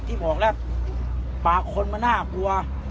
ที่บอกแล้วปากคนมันน่ากลัว